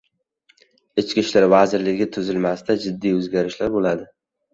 Ichki ishlar vazirligi tuzilmasida jiddiy o‘zgarishlar bo‘ladi